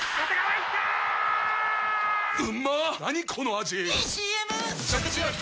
⁉いいＣＭ！！